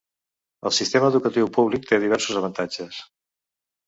El sistema educatiu públic té diversos avantatges.